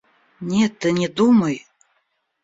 Нет, ты не думай.